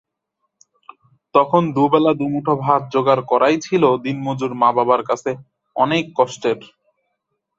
তখন দুবেলা দুমুঠো ভাত জোগাড় করাই ছিল দিনমজুর মা-বাবার কাছে অনেক কষ্টের।